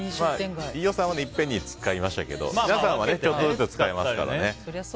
飯尾さんはいっぺんに使いましたけど皆さんはちょっとずつ使えますから。